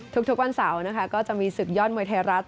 ทุกวันเสาร์นะคะก็จะมีศึกยอดมวยไทยรัฐ